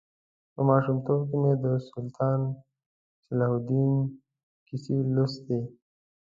په ماشومتوب کې مې د سلطان صلاح الدین کیسې لوستې.